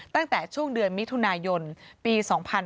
ตั้งแต่ช่วงเดือนมิถุนายนปี๒๕๕๙